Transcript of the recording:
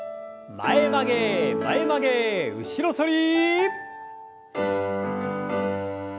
前曲げ前曲げ後ろ反り。